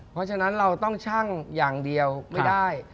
เพราะฉะนั้นเราต้องชั่งอย่างเดียวไม่ได้